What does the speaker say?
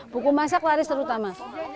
buku masak laris terutama